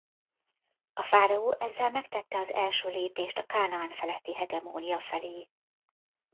A fáraó ezzel megtette az első lépést a Kánaán feletti hegemónia felé.